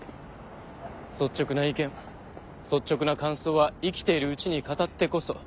率直な意見率直な感想は生きているうちに語ってこそ。